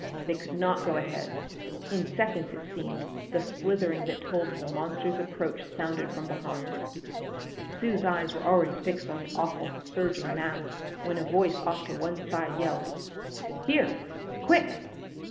They could not go ahead.... In seconds, it seemed, the slithering that told of the monster's approach sounded from behind. Sue's eyes were already fixed on the awful, surging mass when a voice off to one side yelled: "Here! Quick!"